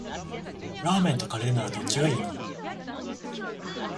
ラーメンとカレーならどっちがいいの？